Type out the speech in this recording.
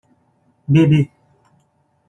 Bebê